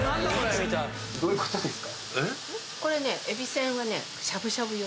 どういうことですか？